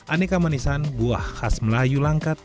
aneka manisan buah khas melayu langkat